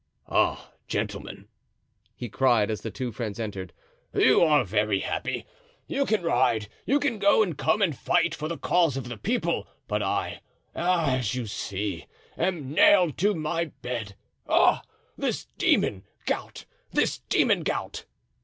"Ah, gentlemen," he cried, as the two friends entered, "you are very happy! you can ride, you can go and come and fight for the cause of the people. But I, as you see, am nailed to my bed—ah! this demon, gout—this demon, gout!"